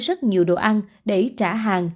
rất nhiều đồ ăn để trả hàng